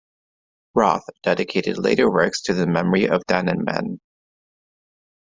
Roth dedicated later works to the memory of Dannemann.